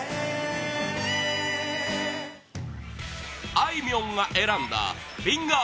あいみょんが選んだフィンガー